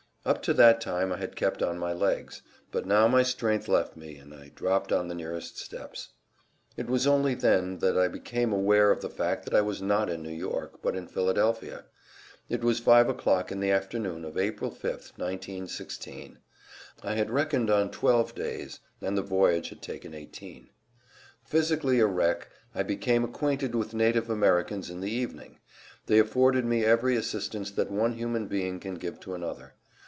Up to that time I had kept on my legs. But now my strength left me, and I dropped on the nearest steps. It was only then that I became aware of the fact that I was not in New York, but in Philadelphia. It was 5 o'clock in the afternoon of April 5th, 1916. I had reckoned on twelve days and the voyage had taken eighteen. Physically a wreck, I became acquainted with native Americans in the evening. They afforded me every assistance that one human being can give to another.